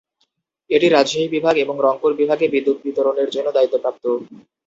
এটি রাজশাহী বিভাগ এবং রংপুর বিভাগে বিদ্যুৎ বিতরণের জন্য দায়িত্বপ্রাপ্ত।